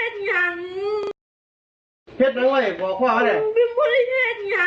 แต่พ่อถามว่ามันเป็นห้างมากนะ